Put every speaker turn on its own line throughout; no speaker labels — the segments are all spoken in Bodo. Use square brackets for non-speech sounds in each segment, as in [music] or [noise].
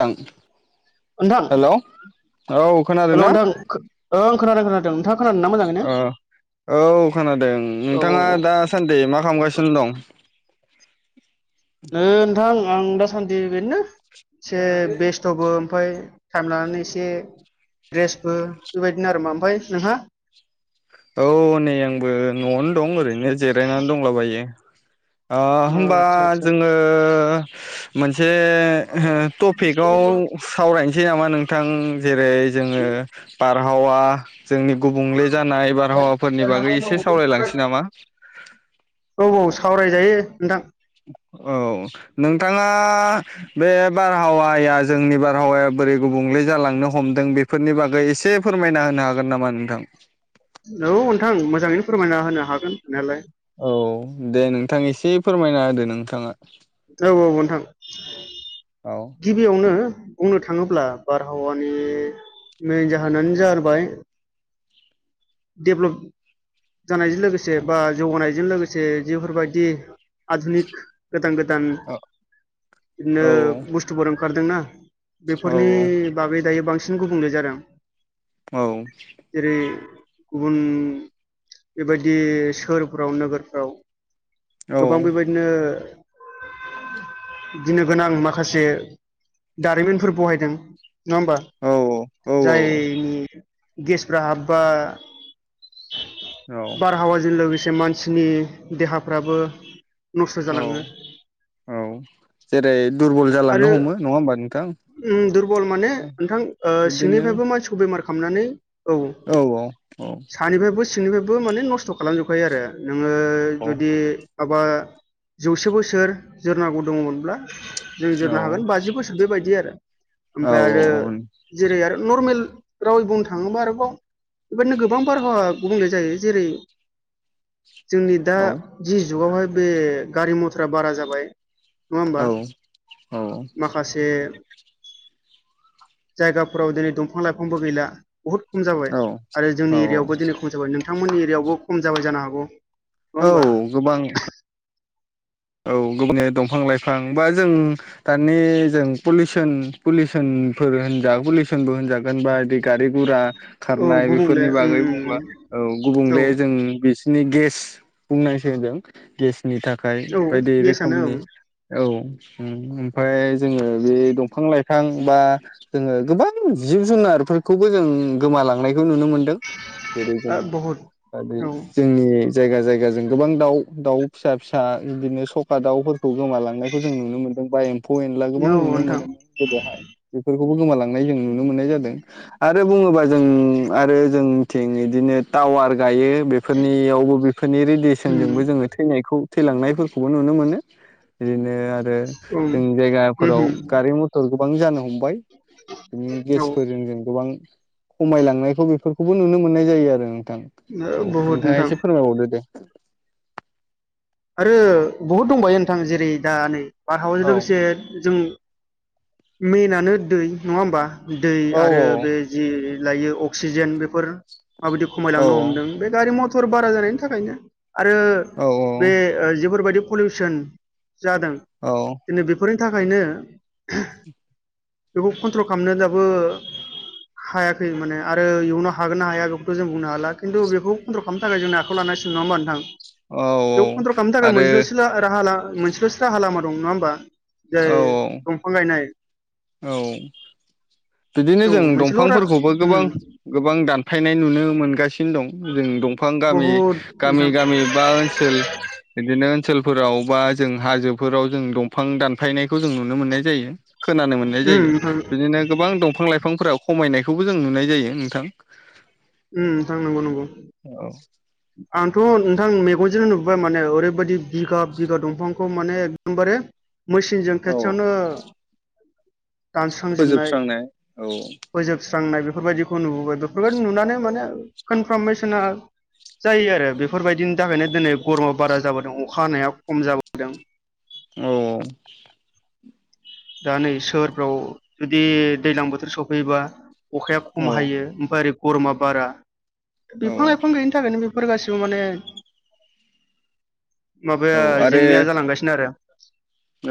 [unintelligible] हेलौ
हेलौ नोंथां खो ओं खोनादों - खोनादों नोंथाङा खोनादों ना मोजाङैनो
ओ औ खोनादों
औ औ
नोंथाङा
औ
दासान्दि मा खामगासिनो दं
नोंथां आं दासान्दि बेदिनो एसे बेस्थ'बो ओमफाय टाइम लानानै एसे द्रेसबो बेबायदिनो आरो मा ओमफाय नोंहा
औ नै आंबो न'आवनो दं ओरैनो जेरायनानै दंलाबायो ओ होमबा
आदसा आदसा
जोङो मोन से टपिकआव सावरायनोसै नामा नोंथां जेरै जोङो बारहावा जोंनि गुबुंले जा नाय बारहावाफोरनि बागै एसे सावरायलांसै नामा
जायो नोंथां
औ नोंथाङा बे बारहावाया जोंनि बार हावाया बोरै गुबुंले जालांनो हमदों बेफोरनि बागै एसे फोरमायना होनो हागोन नामा नोंथां
औ नोंथां मोजाङैनो फोरमायना होनो हागोन हानायालाय
औ दे नोंथां एसे फोरमायना होदो नोंथाङा
औ - औ नोंथां
औ
गिबियावनो बुंनो थाङोब्ला बारहावानि मेेन जाहोनानो जारबाय देभ्लप जानायजों लोगोसे बा जौगानायजों लोगोसे जिफोरबायदि आधुनिक गोदान गो दान
औ
बिदिनो बुस्थुफोर ओंखारदोंना
औ
बेफोरनि बागै दायो बांसिन गुबुंले जादों
औ
जेरै गुबुन बेबायदि सोहोरफ्राव नोगोरफ्राव
औ
गोबां बेबायदिनो [unintelligible] गिनो गोनां माखासे दारिमिनफोर बहायदों। नङा होमबा
औ
जायनि गेसफ्रा हाबबा
औ
बारहावाजों लोगोसे मानसिनि देहाफ्राबो नस्थ'
औ
जालाङो।
औ जेरै दुरबल
आरो
जालांनो हमो नङा होमबा नोंथां।
उम दुरबल माने नोंथां ओ
बिदिनो
सिंनिफ्रायबो मानसिखौ बेमार खामनानै
औ औ औ
बो सिंनिफायबो माने नस्थ' खालामजोबखायो आरो नोङो
औ
जुदि माबा जौसे बोसोर जोरनांगौ दङोमोनब्ला जों जोरनो हागोन बाजि बोसोर बेबायदि आरो
औ
ओमफाय आरो जेरै आरो नर्मेल रावै बुंनो थाङोबा आरोबाव बेबादिनो गोबां बारहावा गुबुंले जायो जेरै जोंनि दा
औ औ
जि जुगावहाय बे गारि मथरा बारा जाबाय नङा होमबा माखासे जायगाफोराव दिनै दंफां लाइफांबो गैला बहुद खम
औ
जाबाय। आरो जोंनि
औ औ
एरियावबो दिनै खम जाबाय नोंथांमोननि एरियावबो खम जाबाय जानो हागौ। नङा
औ
होमबा
गोबां औ गोबानि दंफां लाइफां बा जों दानि जों पलिउसन पलिउसन ओ फोर होनजा पलिउसनबो होनजागोन बा इदि गारि गुरा
औ
खारनाय
गुबुंले
बेफोरनि
उम
बागै
उम
बुंब्ला औ
औ
गुबुंले जों नि गेस बुंनांसै होनदों गेसनि थाखाय
औ
बायदि
गेसआनो
रोखोमनि
ओं
औ। ओम ओमफाय जोङो बे दंफां लाइफां बा जोङो गोबां जिब जुनार फोरखौबो जों गोमा लांनाय खौ नुनो मोनदों जेरै जों ओ बे
औ
जोंनि जायगा जायगाजों गोबां दाउ दाउ फिसा फिसा बिदिनो स'खा दाउ खौ गोमालांनायखौ जों नुनो मोनदों बा एम्फौ एनला गोबां नुनो
नोंथां
मोनोमोन गोदोहाय बेफोर खौबो गोमालांनाय जों नुनो मोननाय जादों आरो बुङोबा जों आरो जों थिं बिदिनो टावार गायो बेफोरनियावबो बेफोरनि
उम
रेडियेसनजोंबो जोङो थैनायखौ थैलांनाय फोरखौबो नुनो मोनो बिदिनो आरो
उम
जों जायगाफोराव
उम
गारि मथर गोबां जानो हमबाय बिनि
औ ओ
गेसफोरजों जों गोबां खमायलांनायखौ बेफोरखौबो नुनो मोननाय जायो आरो नों थां औ
बहुद
नोंथाङा
नोंथां
एसे फोरमायबावदो दे।
आरो बहुद दंबायो नोंथां जेरै दा नै बारहावाजों
औ
लोगोसे जों मेनानो दै नङा होमबा दै
औ
आरो बे जि लायो अक्सिजेन बेफोर माबायदि
औ
खमायलांनो हमदों बे गारि मथर बारा जानायनि थाखायनो। आरो
औ
बे ओ जिफोरबायदि पलिउसन जादों
औ
दिनै बेफोरनि थाखायनो बेखौ कन्ट्रल खालामनो दाबो हायाखै माने आरो इयुनाव हागोन ना हाया बेखौथ' जों बुंनो हाला खिन्थु बेखौ कन्ट्रल खालामनो थाखाय जों आखायाव लाना सिगोन नङा होमबा नोंथां।
औ
बेयाव कन्ट्रल खालामनो थाखाय
आरो
मोनसेल'सो राहा ला मोनसेलसो राहा लामा दं नङा होमबा।
औ
जाय दंफां गायनाय
औ बिदिनो
औ
जों
मोनसेल' रा
दंफांफोरखौबो गोबां
उम
गोबां दानफायनाय नुनो मोनगासि नो दं जों दंफां गामि
बहुद नोंथां
गामि गामि बा ओनसोल बिदिनो ओनसोलफोराव बा जों हाजोफोराव जों दंफां दानफायनायखौ जों नुनो मोननाय जायो। खोनानो मोननाय
उम
जायो
नोंथां उम
बिदिनो गोबां दंफां लाइफांफोरा खमायनायखौबो जों नुनाय जायो नोंथां।
उम नोंथां नंगौ नंगौ
औ
आंथ नोंथां मेगनजों नु बा माने ओरैबायदि बिघा बिघा दंफांखौ माने एकदमबारे मेसिनजों
औ
खेथसेयावनो दानस्रांजोबनाय
फोजोबस्रांनाय औ
फोजोबस्रांनाय बेफोरबायदिखौ नुबोबाय बेफोरबायदि नुनानै माने कनफरमेना जायो आरो बेफोरबायदिनि थाखायनो दिनै गरमा बारा जाबाय अखा हानाया खम जाबोदों
औ
दा नै सोहोरफ्राव जुदि दैज्लां बोथोर सफैयोबा अखाया खम
औ
हायो ओमफाय ओरै गरमा बारा
औ
बिफां लाइफां गैयिनि थाखायनो बे बेफोर गासिबो माने
औ
माबाया
आरो
जेंनाया जालांगासिनो आरो [unintelligible]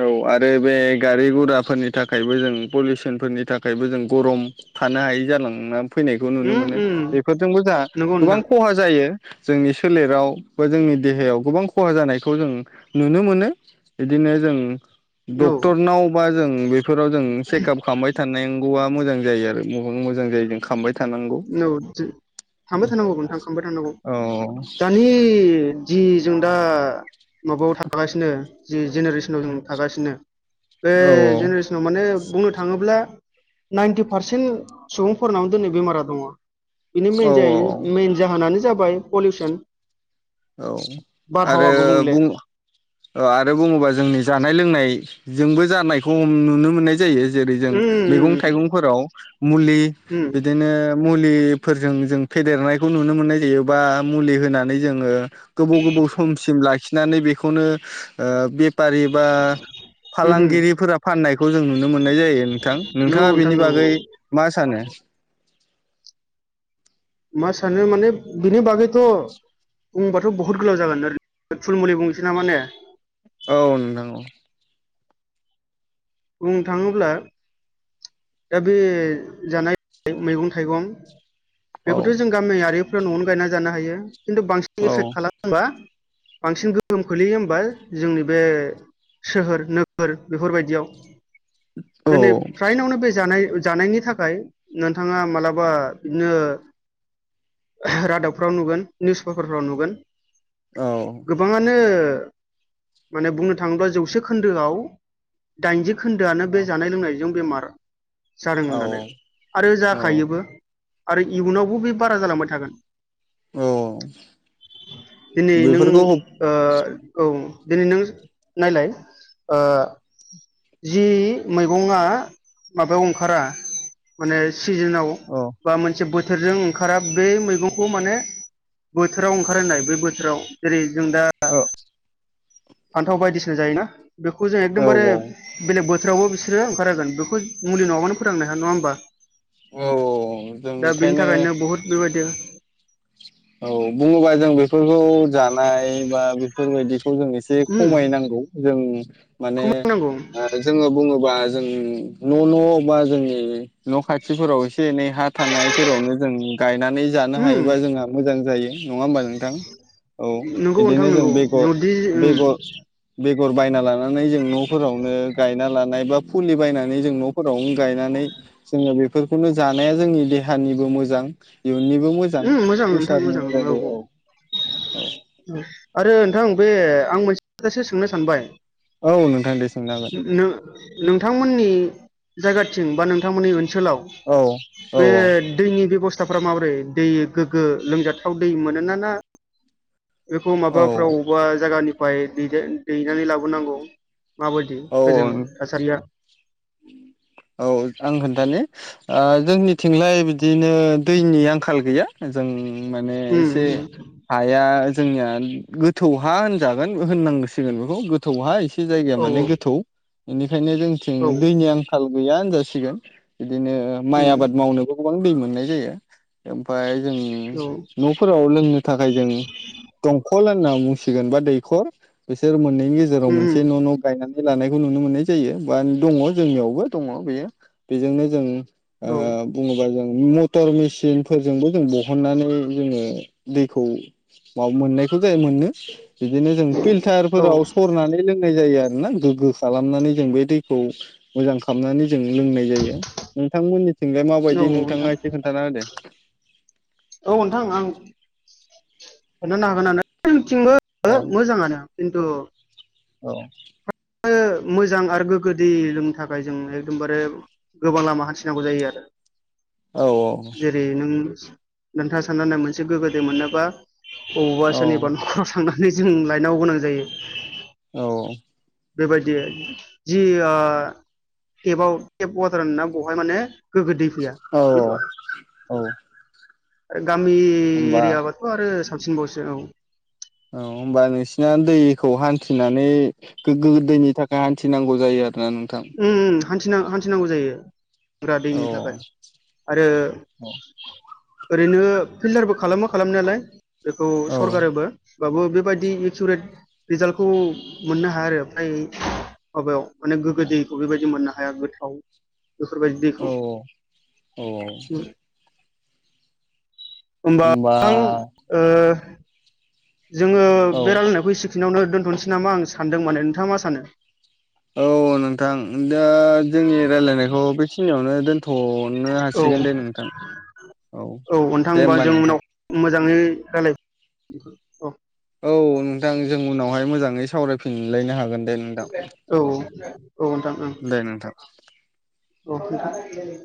औ आरो बे गारि गुराफोरनि थाखायबो जों पलिउसनफोरनि थाखायबो जों गरम थानो हायै जालांना फैनायखौ नुनो
उम
मोनो
उम
बेफोरजोंबो जोंहा
नंगौ
गोबां
नोंथां
खहा जायो जोंनि सोलेराव बा जोंनि देहायाव गोबां खहा जानायखौ जों नुनो मोनो इदिनो जों
औ
डक्टरनावबा जों बेफोराव जों चेकआप खालामबाय थांगौआ मोजां जायो आरो मा मोजां जायो जों खामबाय
औ थांबाय थानांगौ नोंथां थांबाय थनांगौ
औ
दानि [unintelligible] जि जों दा माबायाव थागासिनो जि जेनेरेसनाव जों थागासिनो बे
औ
जेनेरेसनाव माने बुंनो थाङोब्ला नाइन्टि पारसेन्ट सुबुंफोरनाव दिनै बेमारा दङ बिनि मेेन
औ औ
जाइन मेन जाहोनानो जाबाय पलिउसन
औ आरो
बारहावा गुबुंले
बुं ओ आरो बुङोबा जोंनि जानाय लोंनायजोंबो जानायखौ नुनो मोननाय जा यो जेरै जों
उम
मैं
उम
थाइंफोराव मुलि
उम
बिदिनो मुलिफोरजों जों फेदेरनायखौ नुनो मोननाय जायोबा मुलि होनानै जोङो गोबाव गोबाव समसिम लाखिनानै बेखौनो ओ बेफारि बा
उम
फालांगिरिफोरा फाननायखौ जों नुनो मोननाय जायो नोंथां
औ
नोंथाङा
नोंथां
बेनि
औ
बागै मा सानो [unintelligible]
मा सानो माने बिनि बागैथ' बुंबाथ' बहुत गोलाव जागोन ओरै नो थुल मुलै बुंनोसै नामा ने
औ नोंथां औ
बुंनो थाङोब्ला दा बे जानाय मैगं थाइगं
औ
बेखौथ' जों गामियारिफ्रा न'आवनो गायना जानो हायो खिन्थु बांसिन
औ
एफेक्ट खालामोबा बांसिन गोहोम खोलैयो होमबा जोंनि बे सोहोर नोगोर बेफोरबायदियाव
औ
दिनै फ्रायनावनो बे नाय जानायनि थाखाय नोंथाङा मालाबा बिदिनो रादाबफ्राव नुगोन निउस पेपारफ्राव नुगोन
औ
गोबाङानो माने बुंनो थाङोब्ला जौसे खोन्दोआव दाइनजि खोन्दोआनो बे जानाय लोंनायजों बेमार जादों होननानै
औ
आरो जाखायोबो आरो इयुनावबो बे बारा जालांबाय थागोन
औ
दिनै नों
बेफोरखौ औ
ओ औ दिनै नों नायलाय ओ जि मैगङा माबायाव ओंखारा माने सिजोनाव बा मोनसे बो थोरजों ओंखारा बे मैगंखौ माने बोथोराव ओंखारहोनाय बै बोथोराव जेरै जों दा
[unintelligible]
फान्थाव बायदिसिना जायोना बेखौ जों
औ
एकदमबारे बेलेग बो फोरावबो बिसोरो ओंखार होगोन बेखौ मुलि नङाबानो फोथांनो हाया नङा होमबा?
औ जों
दा बिनि
बेखायनो
थाखायनो बहुद बेबायदि
औ बुङोबा जों बेफोरखौ जानाय बा बेफोरबायदि जों एसे
उम
खमायनांगौ जों
खौ
माने
मावनांगौ
ओ जोङो बुङोबा जों न' न' बा जोंनि न' खाथिफोराव एसे एसे एनै हा थानायफोरावनो जों गायनानै जानो हायो।
उम
बा जोंहा मोजां जायो नङा होमबा नोंथां? औ
नंगौ नोंथां
बिदिनो जों
नंगौ नदि उम
बेग-बेग बेगर बायना लानानै जों न'फोरावनो गायना लानाय बा फुलि बायनानै जों न'फोरावनो गायनानै जोङो बेफोरखौनो जानाया जोंनि देहानिबो मोजां इयुननिबो मोजां
उम मोजां नोंथां मोजां औ औ औ। आरो नोंथां बे आं मोनसे खोथासो सोंनो सानबाय
औ नोंथां दे सोंनो हागोन
नोंथांमोननि जायगाथिं बा नोंथांमोननि ओन सोलाव
औ औ
बे दैनि बेबस्थाफ्रा माबोरै दै गोग्गो लोमजाथाव दै मोनोना ना बेखौ
औ
माबाफ्राव बा जागानिफाय दैदे दैनानै लाबोनांगौ माबायदि
औ
गोजों थासारिया
औ औ आं खोनथानि ओ जोंनिथिंलाय बिदिनो दैनि आंखाल गैया जों माने
उम
एसे
उम
हाया जोंनिया गोथौ हा होनजागोन होननांसिगोन बेखौ गोथौहा एसे जायगाया
औ
माने गोथ बेनिखायनो
औ
जोंनिथिं दैनि आंखाल गैया होनजासिगोन बिदिनो माइ
उम
आबाद मावनोबो गोबां दै मोननाय जायो ओमफाय जों
औ
न'फोराव लोंनो थाखाय जों दंखल होनना बुंसिगोन बा दैखर बिसोर मोननैनि गेजेराव
उम
मोनसे न' न' गायना लानायखौ नुनो मोननाय जायो बा दङ' जोंनियावबो दङ' बेयो बेजोंनो जों ओ
औ
बुङोबा जों मटर मेसिनफोरजोंबो जों दिहुनानै जोङो दैखौ मा मोननायखौ जायो मोनो बिदिनो जों
औ
फिल्टारफोराव सरनानै लोंनाय जायो आरोना गोग्गो खालामनानै जों बे दैखौ मोजां खालामनानै जों लोंनाय जायो नोंथांमोननिथिंलाय माबायदि
औ
नोंथाङा
नोंथां
एसे खोन्थाना होदे।
औ नोंथां आं खोनथानो हागोनानो जोंनिथिंबो मोजाङानो खिन्थु
औ।
ओ मोजां आरो गोग्गो दै लोंनो थाखाय जों एकदमबारे गोबां लामा हान्थिनांगौ जायो आरो
औ
जेरै नों नोंथाङा साननानै मोनसे गोग्गो दै मोननोबा बबावबा
औ
सोरनिबा न'खराव थांनानै जों लायनांगौ गोनां जायो।
औ।
बेबायदि जि ओ टेपाव टेप वाटार होना बेवहाय माने गोग्गो दै फैया
औ औ
बेनो आरो
औ
आरो गामि
होमबा
एरियाबाथ' आरो साबसिनबावसो औ।
औ होनोमबा नोंसिना दैखौ हान्थिनानै गोग्गो दैनि थाखाय हान्थिनांगौ जायो आरो ना नोंथां?
थिना हान्थिनांगौ जायो लोंग्रा
औ
दैनि थाखाय आरो
औ
ओरैनो फिल्टारबो खालामो खालामनायालाय बेखौ
औ
सरगारोबो होनबाबो बेबायदि एकुरेट रिजाल्टखौ मोननो हाया आरो ओमफ्राय माबायाव माने गोग्गो दैखौ बेबायदि मोननो हाया गोथाव बेफोरबायदि
औ
दैखौ
औ
होमबा नोंथां ओ जोङो
औ
बे रायलायनायखौ इसिखिनिावनो दोन्थ'नोसै नामा आं सानदों माने नोंथाङा मा सानो?
औ नोंथां दा जोंनि रायलायनायखौ बेखिनियावनो दोनथ' नो
औ
हासिगोन दे नोंथां औ
नोंथां
दे होमबा
जों
नोंथां
उनाव मोजाङै रायलाय औ
औ नोंथां जों उनावहाय मोजाङै सावरायफिनलायनो हागोन दे नोंथां
औ। औ नोंथां ओं
दे नोंथां
औ नोंथां